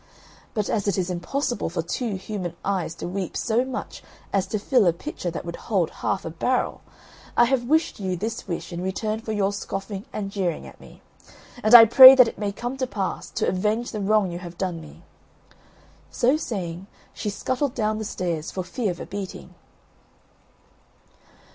But as it is impossible for two human eyes to weep so much as to fill a pitcher that would hold half a barrel, I have wished you this wish in return for your scoffing and jeering at me. And I pray that it may come to pass, to avenge the wrong you have done me." So saying, she scuttled down the stairs, for fear of a beating.